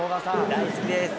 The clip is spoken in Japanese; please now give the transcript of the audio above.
大好きです。